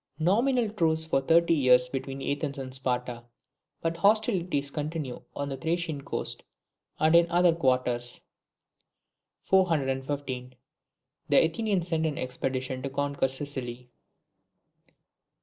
Nominal truce for thirty years between Athens and Sparta, but hostilities continue on the Thracian coast and in other quarters. 415. The Athenians send an expedition to conquer Sicily.